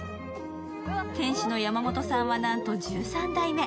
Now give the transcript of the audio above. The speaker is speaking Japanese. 店主の山本さんは、なんと１３代目。